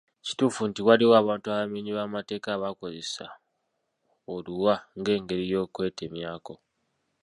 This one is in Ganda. Kituufu nti waliwo abantu abamenyi b'amateeka abakozesa oluwa ng'engeri y'okwetemyako.